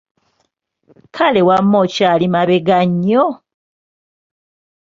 Kale wamma okyali mabega nnyo!